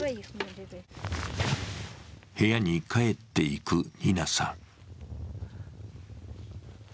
部屋に帰っていくニナさん。